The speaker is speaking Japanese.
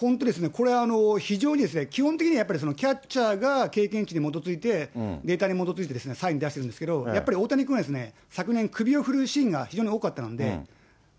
これ、非常にですね、基本的にはやっぱり、キャッチャーが経験値に基づいて、データに基づいてサイン出してるんですけど、やっぱり大谷君は、昨年、首を振るシーンが非常に多かったので。